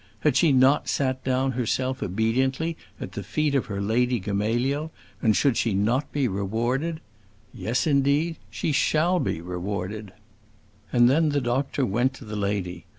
Had she not sat herself down obediently at the feet of her lady Gamaliel, and should she not be rewarded? Yes, indeed, she shall be rewarded. And then the doctor went to the lady.